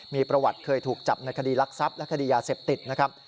มีประวัติเคยถูกจับในคดีรักทรัพย์และคดียาเสพติดนะครับ